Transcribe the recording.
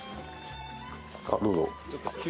あっどうぞ。